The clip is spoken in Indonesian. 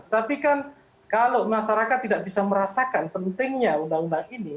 tapi kan kalau masyarakat tidak bisa merasakan pentingnya undang undang ini